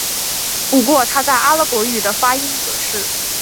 不过它在阿拉伯语中的发音则是。